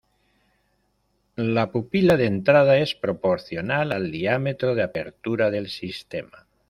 La pupila de entrada es proporcional al diámetro de apertura del sistema.